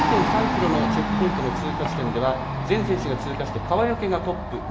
２．３ｋｍのチェックポイントの通過時点では全選手が通過して川除がトップ。